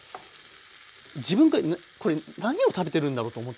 自分がこれ何を食べてるんだろうと思ったんですよね。